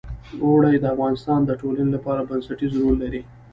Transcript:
اوړي د افغانستان د ټولنې لپاره بنسټيز رول لري.